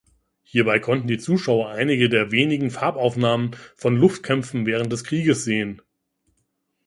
Hierbei konnten die Zuschauer einige der wenigen Farbaufnahmen von Luftkämpfen während des Krieges sehen.